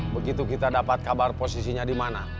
begitu kita dapat kabar posisinya di mana